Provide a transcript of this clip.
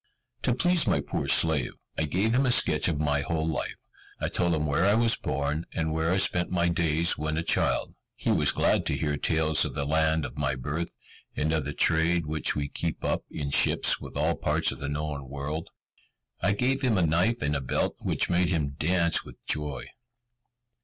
To please my poor slave, I gave him a sketch of my whole life; I told him where I was born, and where I spent my days when a child. He was glad to hear tales of the land of my birth, and of the trade which we keep up, in ships, with all parts of the known world. I gave him a knife and a belt, which made him dance with joy.